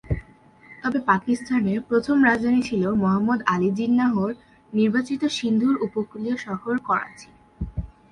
তবে পাকিস্তানের প্রথম রাজধানী ছিল মুহাম্মদ আলী জিন্নাহর নির্বাচিত সিন্ধুর উপকূলীয় শহর করাচি।